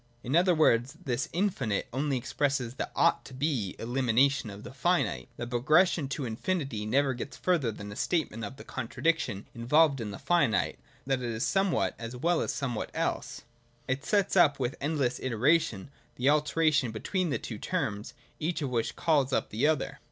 In other words, this infinite only expresses the ought to be elimination of the finite. The progression to infinity never gets further than a statement of the contradiction involved in the finite, viz. that it is somewhat as well as somewhat elseT} It sets up with endless iteration the alternation between these two terms, each of which calls up the other.